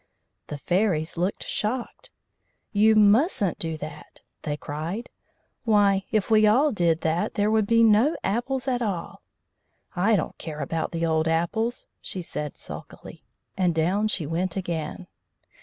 The fairies looked shocked. "You mustn't do that!" they cried. "Why, if we all did that there would be no apples at all!" "I don't care about the old apples," she said sulkily, and down she went again.